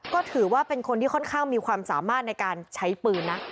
ก็ถือว่าเป็นคนที่ค่อนข้างมีความสามารถในการใช้ปืนนะ